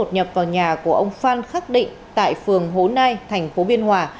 nhập vào nhà của ông phan khắc định tại phường hố nai thành phố biên hòa